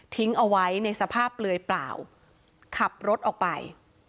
เอาไว้ในสภาพเปลือยเปล่าขับรถออกไป